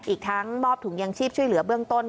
อีกทั้งมอบถุงยังชีพช่วยเหลือเบื้องต้น